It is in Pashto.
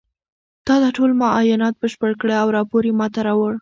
تا دا ټول معاینات بشپړ کړه او راپور یې ما ته راوړه